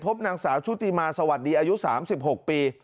พบนางสาวชุติมาสวัสดีอายุ๓๖ปี